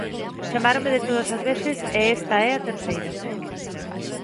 Chamáronme de todas as veces e esta é a terceira.